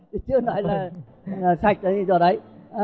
chứ chưa nói là sạch rồi đấy